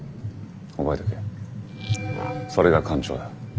覚えとけそれが艦長だ。